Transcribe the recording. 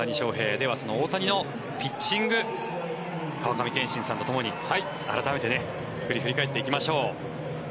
では、その大谷のピッチング川上憲伸さんとともに改めて振り返っていきましょう。